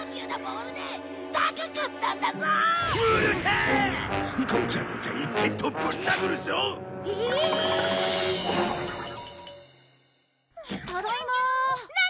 ただいま。